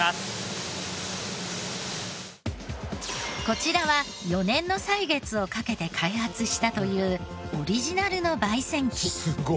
こちらは４年の歳月をかけて開発したというオリジナルの焙煎機。